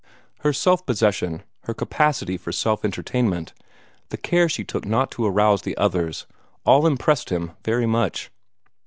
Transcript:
Her self possession, her capacity for self entertainment, the care she took not to arouse the others, all impressed him very much.